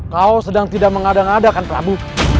kau sedang tidak mengadang adakan prabu